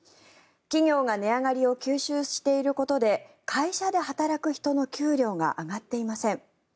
企業が値上がりを吸収していることで会社で働く人の給料が上がっていません。